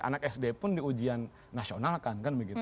anak sd pun di ujian nasional kan kan begitu